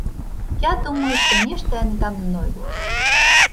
Я думаю, што нешта яны там знойдуць.